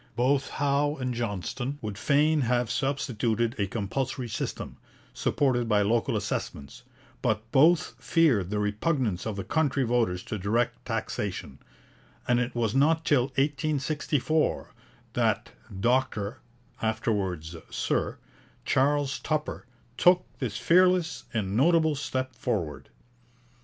Both Howe and Johnston would fain have substituted a compulsory system, supported by local assessments, but both feared the repugnance of the country voters to direct taxation, and it was not till 1864 that Dr (afterwards Sir) Charles Tupper took this fearless and notable step forward.